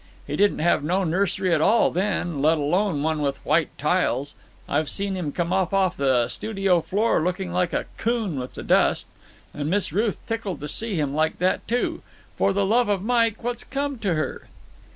He didn't have no nursery at all then, let alone one with white tiles. I've seen him come up off the studio floor looking like a coon with the dust. And Miss Ruth tickled to see him like that, too. For the love of Mike, what's come to her?"